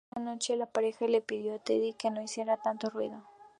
Una noche, la pareja le pidió a Teddy que no hiciera tanto ruido.